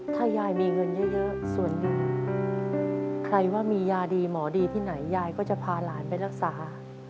ถ้ายายมีเงินเยอะส่วนหนึ่งใครว่ามียาดีหมอดีที่ไหนยายก็จะพาหลานไปรักษา